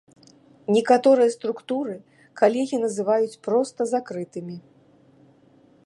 Некаторыя структуры калегі называць проста закрытымі.